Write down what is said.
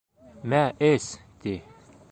— Мә, эс, — ти.